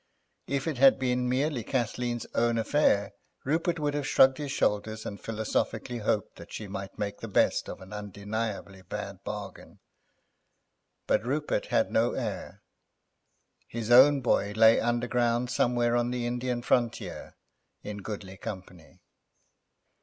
If it had been merely Kathleen's own affair Rupert would have shrugged his shoulders and philosophically hoped that she might make the best of an undeniably bad bargain. But Rupert had no heir; his own boy lay underground somewhere on the Indian frontier, in goodly company.